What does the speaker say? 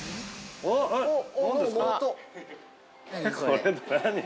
◆これ何？